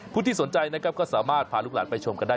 ที่สนใจนะครับก็สามารถพาลูกหลานไปชมกันได้